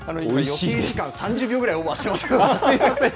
予定時間３０秒ぐらいオーバーしてます。